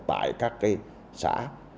tại các xã